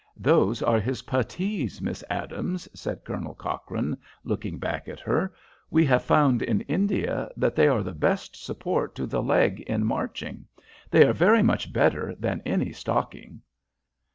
"Those are his putties, Miss Adams," said Colonel Cochrane, looking back at her. "We have found in India that they are the best support to the leg in marching. They are very much better than any stocking."